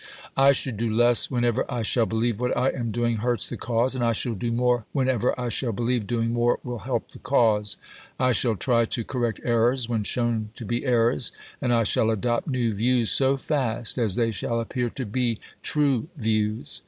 I shall do less whenever I shall believe what I am doing hurts the cause, and I shall do more whenever I shall believe doing more will help the cause. I shall try to correct errors when shown to be errors, and I shall adopt new views so fast as they shall appear to be true views.